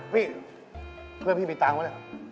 พี่คุณพี่มีเงินมั้ย